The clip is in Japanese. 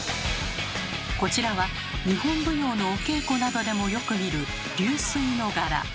こちらは日本舞踊のお稽古などでもよく見る「流水」の柄。